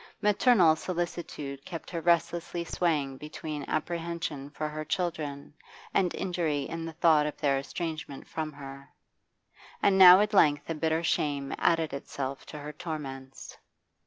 Maternal solicitude kept her restlessly swaying between apprehension for her children and injury in the thought of their estrangement from her. And now at length a bitter shame added itself to her torments.